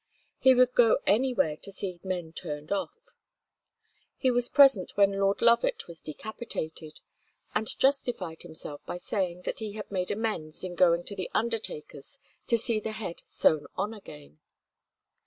He would go anywhere to see men turned off. He was present when Lord Lovat was decapitated, and justified himself by saying that he had made amends in going to the undertaker's to see the head sewn on again.